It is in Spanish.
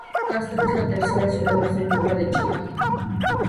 Castro es la tercera ciudad más antigua de Chile.